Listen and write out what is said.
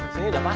sini udah pas